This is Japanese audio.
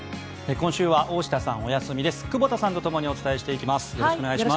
今週は大下さんお休みです。